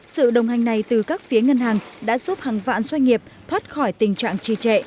sự đồng hành này từ các phía ngân hàng đã giúp hàng vạn doanh nghiệp thoát khỏi tình trạng trì trệ